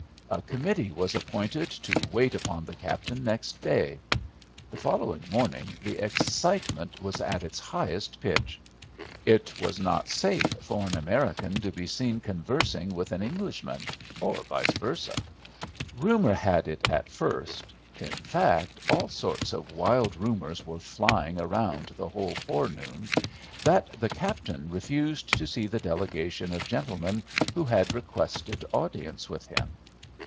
A committee was appointed to wait upon the captain next day. The following morning the excitement was at its highest pitch. It was not safe for an American to be seen conversing with an Englishman, or vice versâ. Rumour had it at first—in fact all sorts of wild rumours were flying around the whole forenoon—that the captain refused to see the delegation of gentlemen who had requested audience with him.